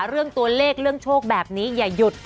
เรื่องตัวเลขเรื่องโชคแบบนี้อย่าหยุด